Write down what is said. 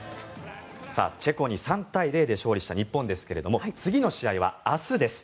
チェコに３対０で勝利した日本ですが次の試合は明日です。